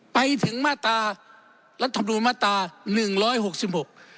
ไปถึงมาตรารัฐธรรมนูลมาตราหนึ่งร้อยหกสิบหก